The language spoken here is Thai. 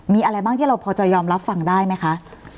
มีอะไรบ้างที่เราพอจะยอมรับฟังได้ไหมคะ